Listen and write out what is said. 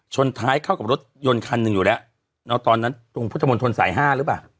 ท้ายเข้ากับรถยนต์คันหนึ่งอยู่แล้วตอนนั้นตรงพุทธมนตรสายห้าหรือเปล่า